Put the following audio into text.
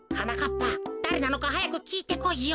ぱだれなのかはやくきいてこいよ。